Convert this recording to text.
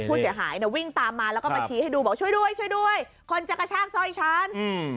ผู้สีหายวิ่งตามมาแล้วก็มาชี้ให้ดูบอกช่วยด้วยคนจะกระชากซ่อยฉัน